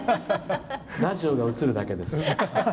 ラジオが映るだけです。